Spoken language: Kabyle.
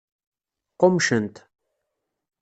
Qqummcent.